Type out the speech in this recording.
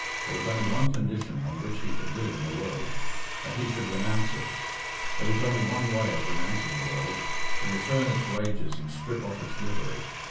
There was only one condition on which he could live in the world that he should renounce it. There was only one way of renouncing the world to return its wages and strip off its livery.